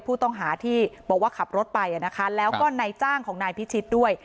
ผู้ต้องหาที่บอกว่าขับรถไปนะคะแล้วก็นายจ้างของนายพิชิตด้วย